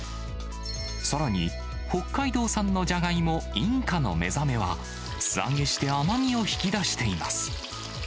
さらに北海道産のじゃがいも、インカのめざめは、素揚げして甘みを引き出しています。